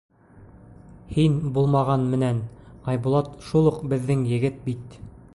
— Һин булмаған менән, Айбулат шул уҡ беҙҙең егет бит.